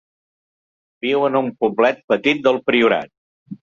Viu en un poblet petit del Priorat.